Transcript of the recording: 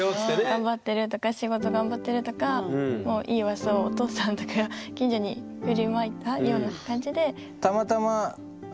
頑張ってるとか仕事頑張ってるとかもういいウワサをお父さんとか近所に振りまいたような感じで。